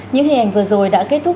những hình ảnh vừa rồi đã kết thúc